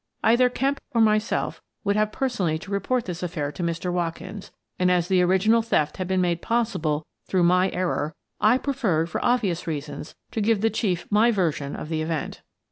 Either Kemp or myself would have personally to report this affair to Mr. Watkins, and, as the original theft had been made possible through my error, I preferred, for obvious reasons, to give the Chief my version of the event.